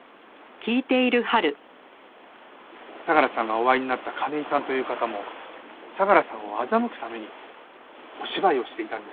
相良さんがお会いになった金井さんという方も相良さんを欺くためにお芝居をしていたんです。